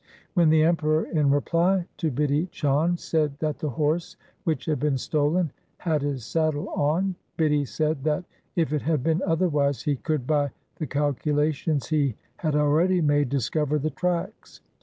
When the Emperor, in reply to Bidhi Chand, said that the horse which had been stolen had his saddle on, Bidhi said that, if it had been otherwise, he could by the calculations he had already made discover the tracks.